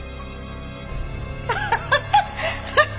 アハハハ！